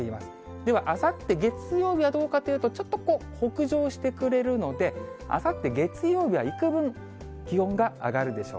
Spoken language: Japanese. ではあさって月曜日はどうかというと、ちょっとこう、北上してくれるので、あさって月曜日はいくぶん、気温が上がるでしょう。